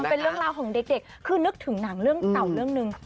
เป็นเรื่องราวของเด็กคือนึกถึงหนังเรื่องเก่าเรื่องหนึ่ง